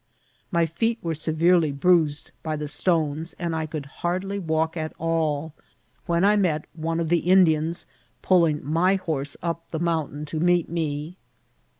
My feet were severely bruised by the stones, and I could hardly walk at all, when I met one of the Indians pulling my horse up the mountain CULTIVATION OF COCHIKEAL. S77 to meet me.